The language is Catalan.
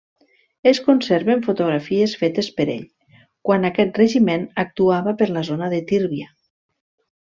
Es conserven fotografies fetes per ell quan aquest regiment actuava per la zona de Tírvia.